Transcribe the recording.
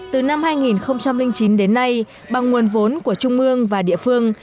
từ năm hai nghìn chín đến nay bằng nguồn vốn của trung ương và địa phương